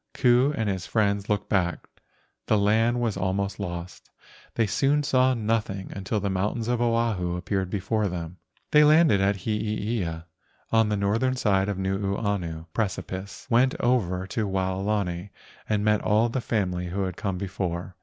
Ku and his friends looked back, the land was almost lost; they soon saw nothing until the mountains of Oahu appeared before them. They landed at Heeia on the northern side of the Nuuanu precipice, went over to Waolani, and met all the family who had come before.